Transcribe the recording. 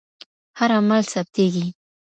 هر عمل ثبتېږي.